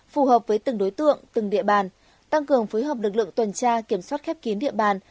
phù hợp với từng đối tượng từng địa bàn tăng cường phối hợp lực lượng tuần tra kiểm soát khép kín địa bàn